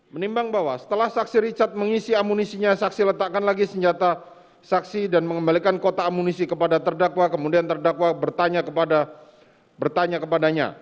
menimbang bahwa setelah saksi richard mengisi amunisinya saksi letakkan lagi senjata saksi dan mengembalikan kota amunisi kepada terdakwa kemudian terdakwa bertanya kepadanya